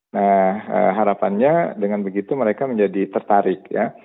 nah harapannya dengan begitu mereka menjadi tertarik ya